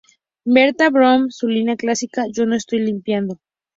Berta, bromea su línea clásica, "yo no lo está limpiando.